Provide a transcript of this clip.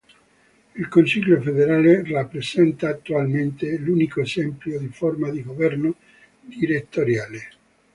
Il Consiglio federale rappresenta, attualmente, l'unico esempio di forma di governo direttoriale.